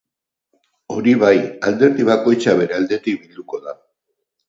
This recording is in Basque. Hori bai, alderdi bakoitza bere aldetik bilduko da.